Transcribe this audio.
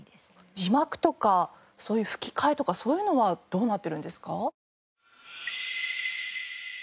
字幕とかそういう吹き替えとかそういうのはどうなってるんですか？